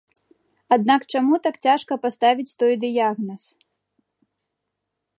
Аднак чаму так цяжка паставіць той дыягназ?